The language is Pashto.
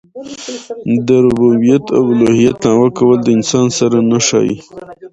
د ربوبیت او اولوهیت دعوه کول د انسان سره نه ښايي.